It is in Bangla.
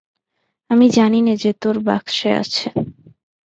আমি জানিনে যে তোর বাক্সে আছে।